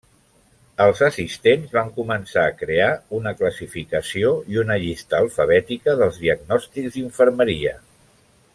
Els assistents van començar a crear una classificació i una llista alfabètica dels diagnòstics d'infermeria.